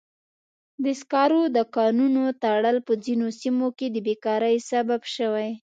د سکرو د کانونو تړل په ځینو سیمو کې د بیکارۍ سبب شوی.